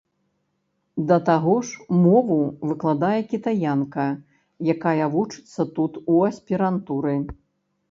Да таго ж, мову выкладае кітаянка, якая вучыцца тут у аспірантуры.